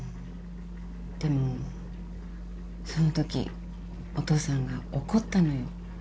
でもそのときお父さんが怒ったのよ。